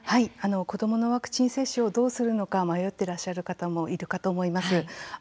子どものワクチン接種をどうするのか迷っていらっしゃる方もいるかと思います。